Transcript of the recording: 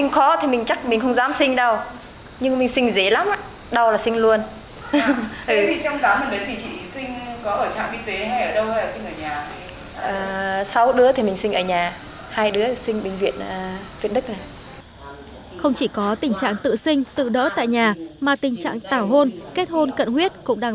không chỉ có tình trạng tự sinh tự đỡ tại nhà mà tình trạng tảo hôn kết hôn cận huyết cũng đang